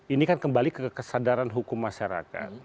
ini kan kembali ke kesadaran hukum masyarakat